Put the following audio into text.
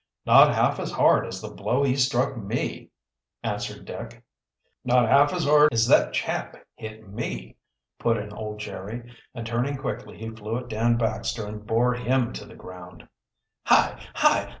"Not half as hard as the blow he struck me," answered Dick. "Not hard as hard as thet chap hit me," put in old Jerry, and turning quickly he flew at Dan Baxter and bore him to the ground. "Hi! hi!